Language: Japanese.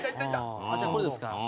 じゃあこれどうですか？